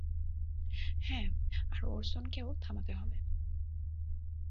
হ্যাঁ, আর ওরসনকেও থামাতে হবে।